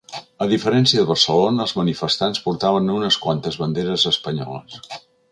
A diferència de Barcelona, els manifestants portaven unes quantes banderes espanyoles.